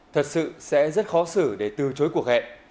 thật sự sẽ rất khó xử để từ chối cuộc hẹn